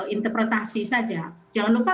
interpretasi saja jangan lupa